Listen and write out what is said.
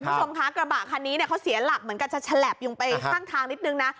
คุณผู้ชมคะกระบะคันนี้เนี่ยเขาเสียหลักเหมือนกันจะฉลับลงไปข้างทางนิดนึงนะ